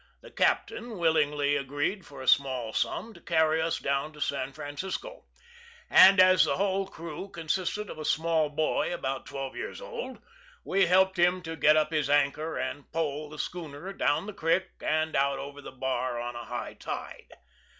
The "captain" willingly agreed for a small sum to carry us down to San Francisco; and, as his whole crew consisted of a small boy about twelve years old, we helped him to get up his anchor and pole the schooner down the creek and out over the bar on a high tide.